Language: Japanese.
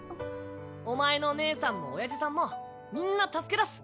お前の姉さんもおやじさんもみんな助け出す。